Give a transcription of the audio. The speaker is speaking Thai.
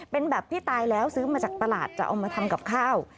เป็นแบบที่ตายแล้วซื้อมาจากตลาดจะเอามาทำกับข้าว